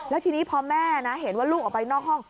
แล้วทีนี้พอแม่นะเห็นว่าลูกออกไปนอกห้อง